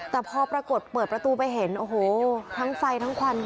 แต่พอปรากฏเปิดประตูไปเห็นโอ้โหทั้งไฟทั้งควัน